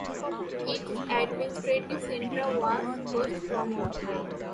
Its administrative centre was Kostroma.